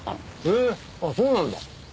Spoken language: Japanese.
へえそうなんだ。